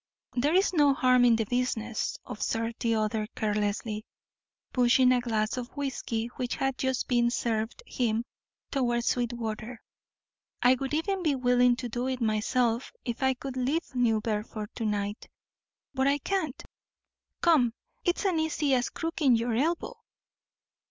"There is no harm in the business," observed the other, carelessly, pushing a glass of whiskey which had just been served him toward Sweetwater. "I would even be willing to do it myself, if I could leave New Bedford to night, but I can't. Come! It's as easy as crooking your elbow."